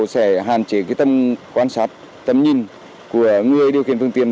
sẽ hạn chế tâm quan sát tâm nhìn của người điều khiển phương tiện